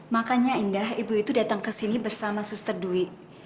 makanya indah ibu itu datang ke sini bersama suster dwi